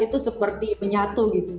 itu seperti menyatu gitu